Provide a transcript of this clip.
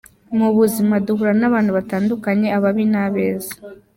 Mu buzima duhura n’abantu batandukanye: Ababi n’abeza.